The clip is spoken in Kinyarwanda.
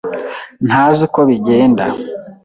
ntazi uko bizagenda.